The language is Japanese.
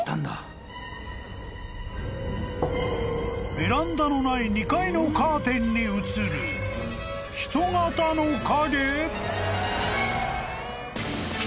［ベランダのない２階のカーテンに映るヒト形の影？］